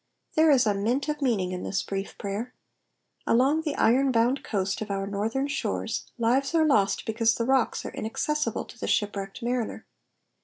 There is a mint of meaning in this brief prayer. Along the iron bound const of our northern shores, lives are lost because the rocks are inaccessible to the shipwrecked mariner.